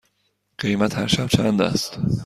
قیمت هر شب چند است؟